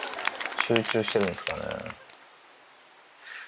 集中してるんですかね。